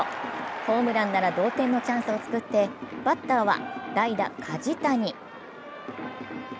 ホームランなら同点のチャンスを作って、バッターは代打・梶谷。